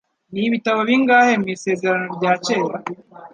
Ni Ibitabo bingahe mu Isezerano rya Kera